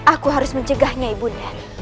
aku harus mencegahnya ibunya